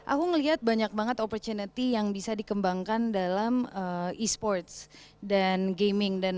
aku ngeliat banyak banget opportunity yang bisa dikembangkan dalam e sports dan gaming